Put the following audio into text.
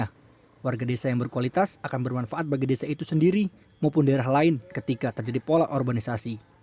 karena warga desa yang berkualitas akan bermanfaat bagi desa itu sendiri maupun daerah lain ketika terjadi pola urbanisasi